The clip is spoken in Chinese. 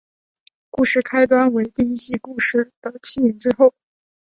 故事开端为第一季故事的七年之后。